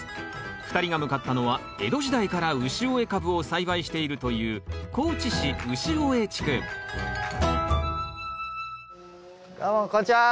２人が向かったのは江戸時代からウシオエカブを栽培しているという高知市潮江地区どうもこんにちは。